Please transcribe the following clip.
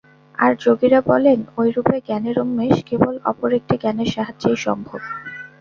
আর যোগীরা বলেন, ঐরূপে জ্ঞানের উন্মেষ কেবল অপর একটি জ্ঞানের সাহায্যেই সম্ভব।